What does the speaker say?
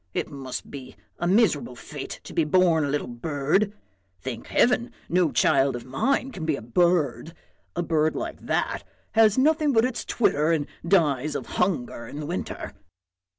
it must be a miserable fate to be born a little bird! Thank heaven ! no child of mine can be a bird ; a bird like that has nothing but its twitter and dies of hunger in the winter."